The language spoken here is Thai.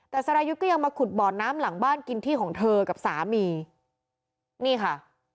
แต่สรายุทธ์ก็ยังมาขุดบ่อน้ำหลังบ้านกินที่ของเธอกับสามีนี่ค่ะ